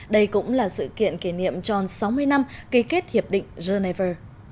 đây cũng là sự kiện kỷ niệm tròn sáu mươi năm ký kết hiệp định geneva